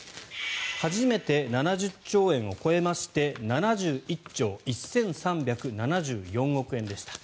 初めて７０兆円を超えまして７１兆１３７４億円でした。